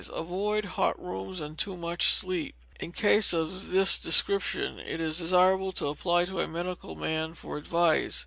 Avoid hot rooms, and too much sleep. In cases of this description it is desirable to apply to a medical man for advice.